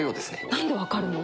なんで分かるの？